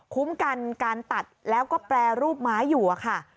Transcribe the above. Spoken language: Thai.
คุ้มกันการตัดแล้วก็แปรรูปไม้อยู่ค่ะ